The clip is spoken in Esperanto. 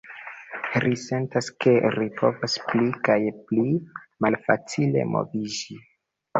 Ri sentas, ke ri povas pli kaj pli malfacile moviĝi.